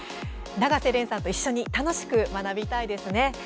永瀬廉さんと一緒に楽しく学びたいですね。